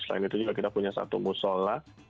selain itu juga kita punya satu musola